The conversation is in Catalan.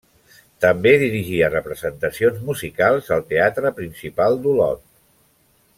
També dirigia representacions musicals al Teatre Principal d'Olot.